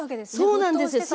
そうなんですよ。